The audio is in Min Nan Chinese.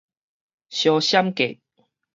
相閃過